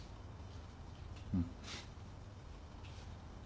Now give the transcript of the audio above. うん。